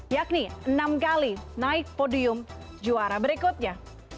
yakni enam kali naik podium juara berikutnya